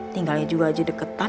tinggalnya juga aja deketan